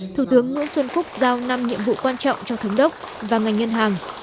thủ tướng nguyễn xuân phúc giao năm nhiệm vụ quan trọng cho thống đốc và ngành ngân hàng